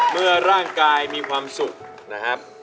เมื่อร่างกายมีความสุขนะครับ